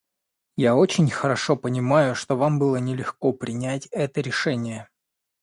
Я очень хорошо понимаю, что вам было нелегко принять это решение.